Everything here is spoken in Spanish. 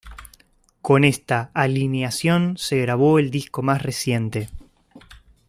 Con esta alineación se grabó el disco más reciente.